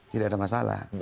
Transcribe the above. tidak ada masalah